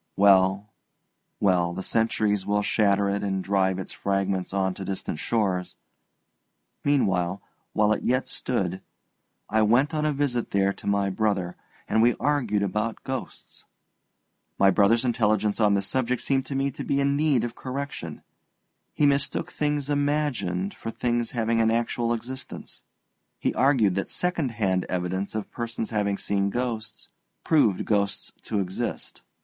Well, well, the centuries will shatter it and drive its fragments on to distant shores. Meanwhile, while it yet stood, I went on a visit there to my brother, and we argued about ghosts. My brother's intelligence on this subject seemed to me to be in need of correction. He mistook things imagined for things having an actual existence; he argued that second hand evidence of persons having seen ghosts proved ghosts to exist.